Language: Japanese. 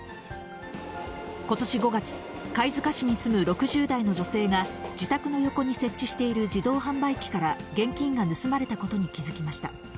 ことし５月、貝塚市に住む６０代の女性が、自宅の横に設置している自動販売機から現金が盗まれたことに気付きました。